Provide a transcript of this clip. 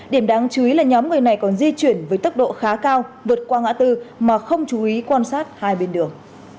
điểm đáng chú ý là nhóm người này còn di chuyển với tốc độ khá cao vượt qua ngã tư mà không chú ý quan sát hai bên đường